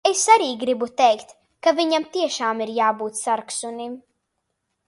Arī es gribu teikt, ka viņam tiešām ir jābūt sargsunim.